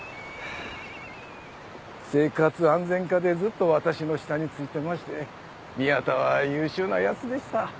生活安全課でずっと私の下についてまして宮田は優秀な奴でした。